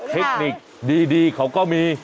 เทคนิคดีเขาก็มี